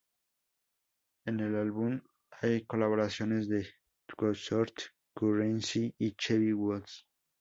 En el álbum hay colaboraciones de Too Short, Curren$y y Chevy Woods.